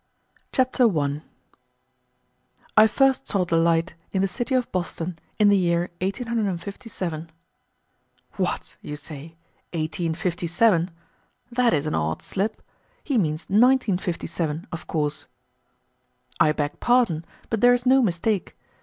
JTABLE 5 28 1 Chapter 1 I first saw the light in the city of Boston in the year 1857. "What!" you say, "eighteen fifty seven? That is an odd slip. He means nineteen fifty seven, of course." I beg pardon, but there is no mistake.